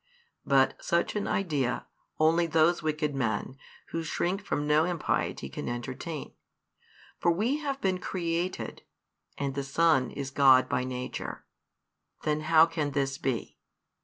But such an idea, only those wicked men, who shrink from no impiety, can entertain. For we have been created, and the Son is God by nature. Then how can this be?